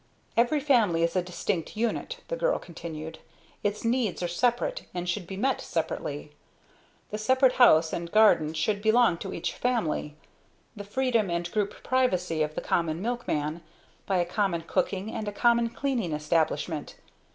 "Every family is a distinct unit," the girl continued. "Its needs are separate and should be met separately. The separate house and garden should belong to each family, the freedom and group privacy of the common milkman, by a common baker, by a common cooking and a common cleaning establishment.